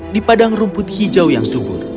di padang rumput hijau yang subur